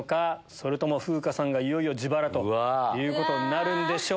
それとも風花さんがいよいよ自腹となるでしょうか？